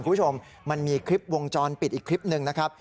คุณผู้ชมมันมีคลิปวงจรปิดอีกคลิปหนึ่งนะครับ